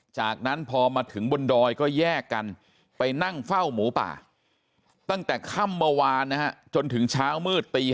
จากนั้นพอมาถึงบนดอยก็แยกกันไปนั่งเฝ้าหมูป่าตั้งแต่ค่ำเมื่อวานนะฮะจนถึงเช้ามืดตี๕